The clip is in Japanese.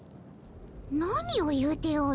何を言うておる。